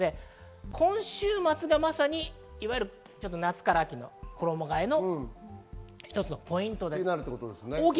今週末がまさに夏から秋の衣替えの一つのポイントです。